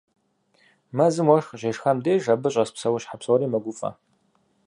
Мэзым уэшх къыщешхам деж, абы щӏэс псэущхьэ псори мэгуфӏэ.